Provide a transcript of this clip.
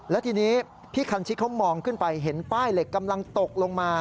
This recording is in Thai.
และทีนี้พี่คันชิดเขามองขึ้นไปเห็นป้ายเหล็กกำลังตกลงมา